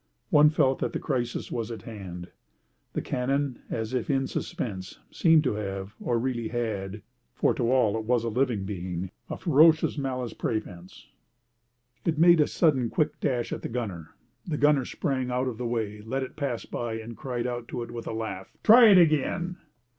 One felt that the crisis was at hand. The cannon, as if in suspense, seemed to have, or really had—for to all it was a living being—a ferocious malice prépense. It made a sudden, quick dash at the gunner. The gunner sprang out of the way, let it pass by, and cried out to it with a laugh, "Try it again!"